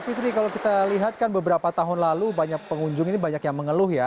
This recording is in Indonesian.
fitri kalau kita lihat kan beberapa tahun lalu banyak pengunjung ini banyak yang mengeluh ya